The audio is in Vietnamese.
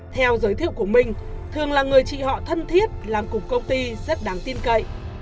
theo giới thiệu của mình thường là người chị họ thân thiết làm cục công ty rất đáng tin cậy